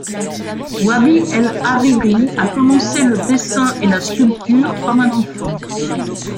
Wahbi Al-Hariri a commencé le dessin et la sculpture comme un enfant.